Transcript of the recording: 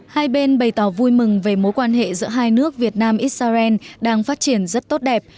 hai bên bày tỏ vui mừng về mối quan hệ giữa hai nước việt nam israel đang phát triển rất tốt đẹp